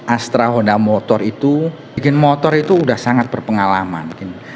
astra honda motor itu bikin motor itu sudah sangat berpengalaman